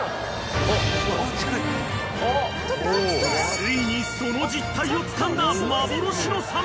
［ついにその実体をつかんだ幻のサメ］